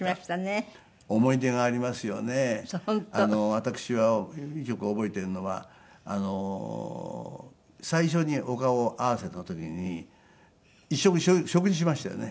私はよく覚えているのは最初にお顔合わせの時に一緒に食事しましたよね？